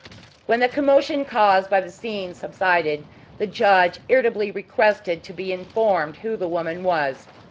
When the commotion caused by the scene subsided, the judge irritably requested to be informed who the woman was.